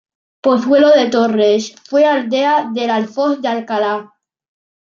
Pozuelo de Torres, fue aldea del alfoz de Alcalá.